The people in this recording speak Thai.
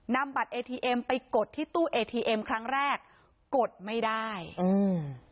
นำบัตรเอทีเอ็มไปกดที่ตู้เอทีเอ็มครั้งแรกกดไม่ได้อืม